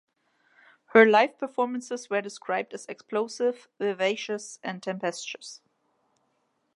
Her live performances were described as "explosive, vivacious and tempestuous".